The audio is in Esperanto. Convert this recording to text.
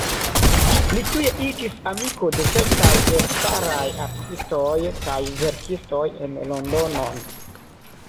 Li tuj iĝis amiko de kelkaj elstaraj artistoj kaj verkistoj en Londonon.